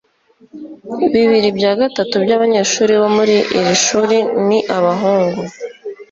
bibiri bya gatatu byabanyeshuri bo muri iri shuri ni abahungu